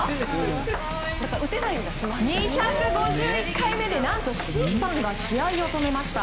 ２５１回目で審判が試合を止めました。